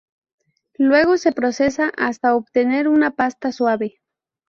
Luego se procesa hasta obtener una pasta suave.